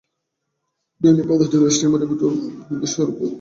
নইলে কাদা ঠেলে স্টিমারে ওঠা আমাদের মতো শহুরে বাবুবিবিদের কম্ম নয়।